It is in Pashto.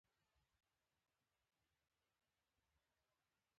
احمد ته خدای ښه حل نېک صالح اولاد ورکړی، خدای یې دې روزي کړي.